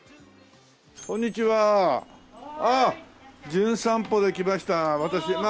『じゅん散歩』で来ました私ね。